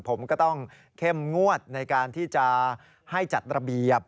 ผมก็ต้องเข้มงวดในการที่จะให้จัดระเบียบ